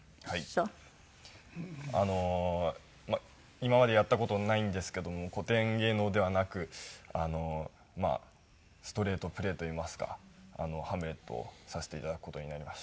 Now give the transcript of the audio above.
今までやった事ないんですけども古典芸能ではなくストレートプレイといいますか『ハムレット』をさせて頂く事になりました。